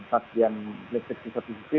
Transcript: pasien listrik di satu sisi